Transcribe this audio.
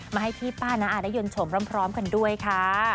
มาให้พี่ป้าน้าอาได้ยนชมพร้อมกันด้วยค่ะ